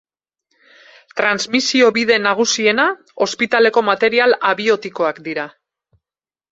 Transmisio bide nagusiena ospitaleko material abiotikoak dira.